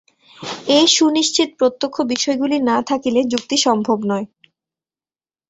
এই সুনিশ্চিত প্রত্যক্ষ বিষয়গুলি না থাকিলে যুক্তি সম্ভব নয়।